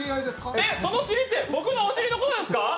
えっ、その尻って僕のお尻のことですか？